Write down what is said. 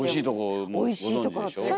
おいしいとこもご存じでしょ？